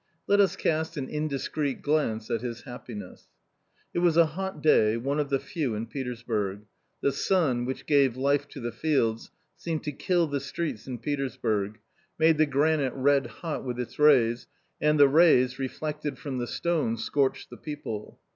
Let us cast an indiscreet glance at his happiness. It was a hot day, one of the few in Petersburg ; the sun, which gave life to the fields, seemed to kill the streets in Petersburg, made the granite red hot with its rays, and the rays, reflected from the stone, scorched the people.